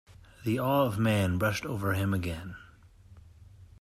The awe of man rushed over him again.